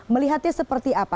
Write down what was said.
melihatnya seperti apa